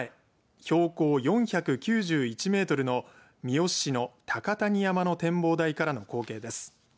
標高４９１メートルの三好市の高谷山の展望台からの光景です。